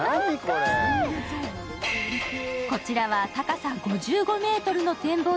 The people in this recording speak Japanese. こちらは高さ５５ｍの展望